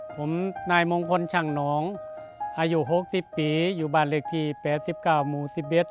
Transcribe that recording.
ผมนายมงคลช่างหนองอายุ๖๐ปีอยู่บ้านเลขที่๘๙หมู่๑๑